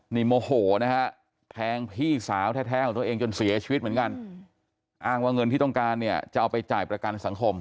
นี่โมโหนะฮะแทงพี่สาวแท้ของตัวเองจนเสียชีวิตเหมือนกันอ้างว่าเงินที่ต้องการเนี่ยจะเอาไปจ่ายประกันสังคม